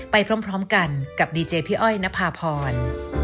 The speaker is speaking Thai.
ไปพร้อมกันกับดีเจพี่อ้อยนภาพร